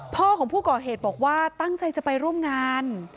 พ่อของผู้ก่อเหตุบอกว่าตั้งใจจะไปร่วมงาน